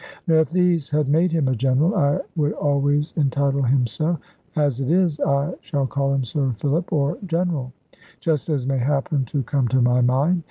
Now if these had made him an admiral, I would always entitle him so; as it is, I shall call him "Sir Philip," or "General," just as may happen to come to my mind.